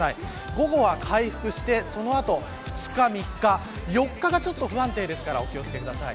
午後は回復して、その後２日、３日、４日がちょっと不安定ですからお気を付けください。